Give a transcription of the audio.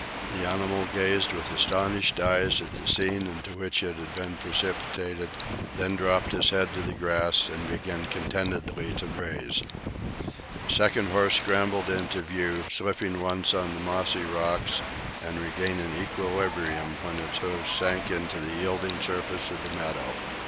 The animal gazed with astonished eyes at the scene into which it had been precipitated, then dropped its head to the grass and began contentedly to graze. A second horse scrambled into view, slipping once on the mossy rocks and regaining equilibrium when its hoofs sank into the yielding surface of the meadow.